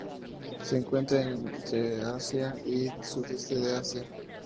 Se encuentra en este de Asia y sudeste de Asia.